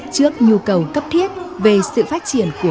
trước nhu cầu cấp thiết về sự phát triển của khoa học